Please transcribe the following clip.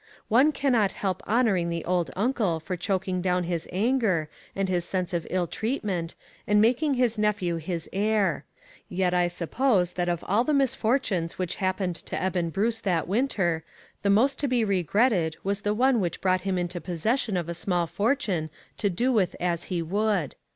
One cannot help honoring the old uncle for choking down his anger and his sense of ill treat ment, and making his nephew his heir; yet 44O ONE COMMONPLACE DAY. I suppose that of all the misfortunes which happened to Eben Bruce that winter, the most to be regretted was the one which brought him into possession of a small fortune to do with as he would.